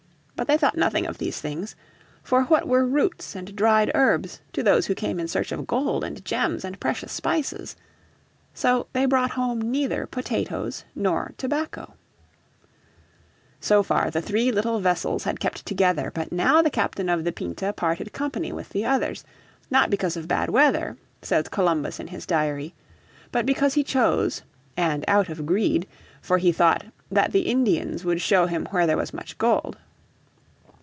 But they thought nothing of these things. For what were roots and dried herbs to those who came in search of gold, and gems, and precious spices? So they brought home neither potatoes nor tobacco. So far the three little vessels had kept together, but now the captain of the Pinta parted company with the others, not because of bad weather, says Columbus in his diary, but because he chose, and out of greed, for he thought "that the Indians would show him where there was much gold."